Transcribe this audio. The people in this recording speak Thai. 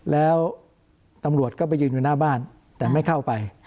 แล้วตำรวจก็ไปยืนอยู่หน้าบ้านแต่ไม่เข้าไป